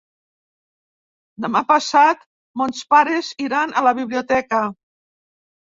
Demà passat mons pares iran a la biblioteca.